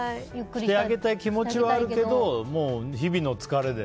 してあげたい気持ちはあるけど日々の疲れで。